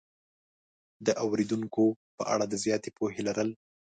د اورېدونکو په اړه د زیاتې پوهې لرل